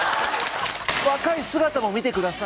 若い姿も見てください。